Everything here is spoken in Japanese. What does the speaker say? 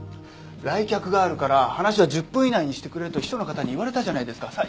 来客があるから話は１０分以内にしてくれと秘書の方に言われたじゃないですか。